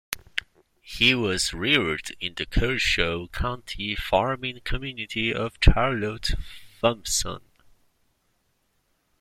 He was reared in the Kershaw County farming community of Charlotte Thompson.